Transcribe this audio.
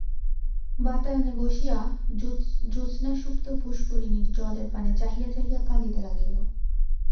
বাতায়নে বসিয়া জ্যোৎস্নাসুপ্ত পুষ্করিণীর জলের পানে চাহিয়া চাহিয়া কাঁদিতে লাগিল।